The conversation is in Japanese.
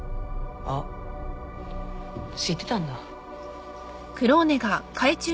あっ知ってたんだ？